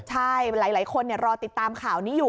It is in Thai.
ใช่หลายคนรอติดตามข่าวนี้อยู่